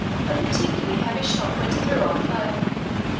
a particularly heavy shock went through our floe.